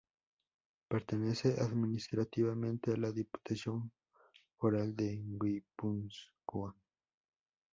Pertenece administrativamente a la Diputación Foral de Guipúzcoa.